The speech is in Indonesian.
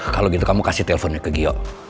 kalo gitu kamu kasih telponnya ke gio